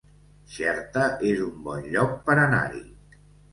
Xerta es un bon lloc per anar-hi